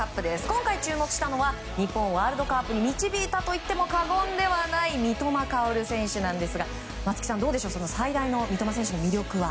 今回注目したのは日本をワールドカップに導いたといっても過言ではない、三笘薫選手ですが松木さん、どうでしょう最大の魅力は。